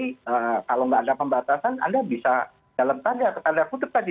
kalau tidak ada pembatasan anda bisa dalam tanda kutub tadi